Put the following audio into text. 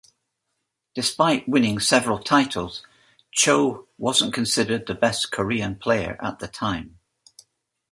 Despite winning several titles, Cho wasn't considered the best Korean player at the time.